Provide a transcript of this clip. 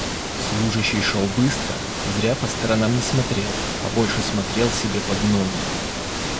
Служащий шёл быстро, зря по сторонам не смотрел, а больше смотрел себе под ноги.